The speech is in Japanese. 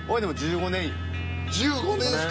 １５年っすか。